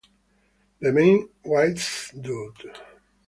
The main Wisedude.